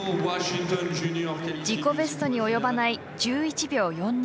自己ベストに及ばない１１秒４２。